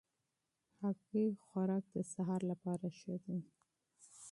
هګۍ د سهار لپاره ښې دي.